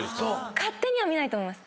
勝手には見ないと思います。